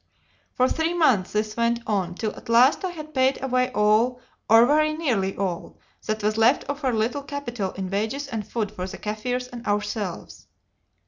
"For three months this went on, till at last I had paid away all, or very near all, that was left of her little capital in wages and food for the Kaffirs and ourselves.